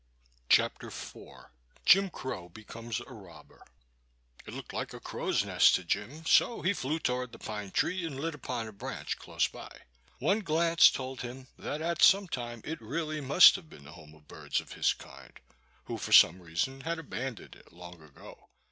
Chapter IV Jim Crow Becomes a Robber IT looked like a crow's nest to Jim, so he flew toward the pine tree and lit upon a branch close by. One glance told him that at some time it really must have been the home of birds of his kind, who for some reason had abandoned it long ago.